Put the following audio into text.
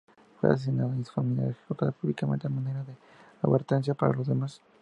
Fue asesinado y su familia ejecutada públicamente a manera de advertencia para los demás.